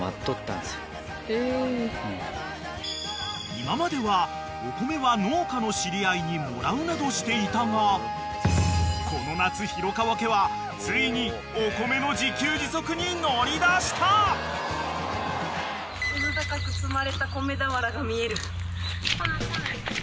［今まではお米は農家の知り合いにもらうなどしていたがこの夏廣川家はついにお米の自給自足に乗り出した］・うずたかく積まれた米俵が見える。